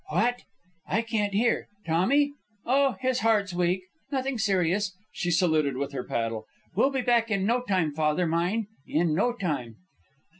"What? I can't hear. Tommy? Oh, his heart's weak. Nothing serious." She saluted with her paddle. "We'll be back in no time, father mine. In no time."